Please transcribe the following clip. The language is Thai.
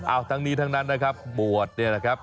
เอาทั้งนี้ทั้งนั้นนะครับบวชเนี่ยนะครับ